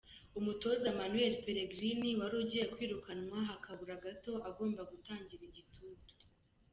Umutoza Manuelle Pellegrini wari ugiye kwirukanwa hakabura gato agomba gutangira igitutu.